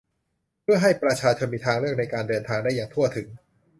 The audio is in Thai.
เพื่อให้ประชาชนมีทางเลือกในการเดินทางได้อย่างทั่วถึง